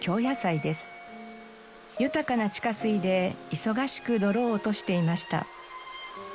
豊かな地下水で忙しく泥を落としていました。